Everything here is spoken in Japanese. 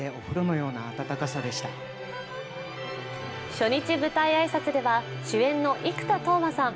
初日舞台挨拶では主演の生田斗真さん